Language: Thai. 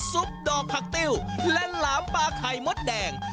ปดอกผักติ้วและหลามปลาไข่มดแดง